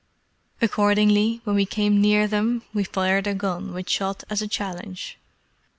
Accordingly, when we came near them, we fired a gun with shot as a challenge.